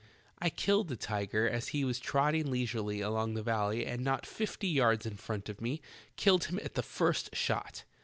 I killed a tiger as he was trotting leisurely along the valley and not fifty yards in front of me — killed him at the first shot.